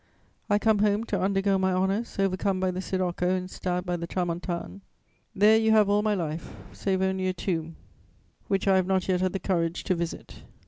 I come home to undergo my honours, overcome by the sirocco and stabbed by the tramontane. There you have all my life, save only a tomb which I have not yet had the courage to visit.